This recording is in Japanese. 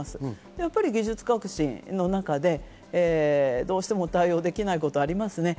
やっぱり技術革新の中で、どうしても対応できないことはありますね。